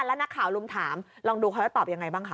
แล้วนักข่าวลุมถามลองดูเขาจะตอบยังไงบ้างคะ